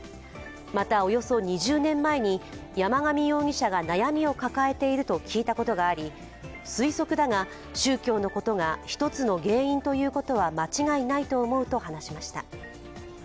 また、およそ２０年前に山上容疑者が悩みを抱えていると聞いたことがあり、推測だが、宗教のことが１つの原因ということは間違いないと思うと話しました。